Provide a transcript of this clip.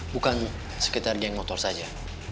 bukan sekitar geng motor saja